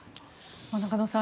中野さん